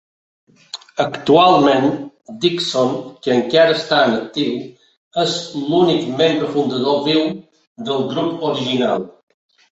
Actualment, Dixon, que encara està en actiu, és l'únic membre fundador viu del grup original.